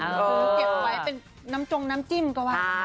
ซื้อเก็บไว้เป็นน้ำจงน้ำจิ้มก็ว่า